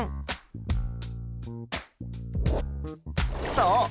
そう！